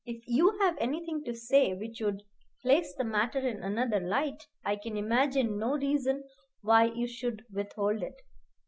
If you have anything to say which would place the matter in another light, I can imagine no reason why you should withhold it.